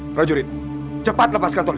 prajurit cepat lepaskan toli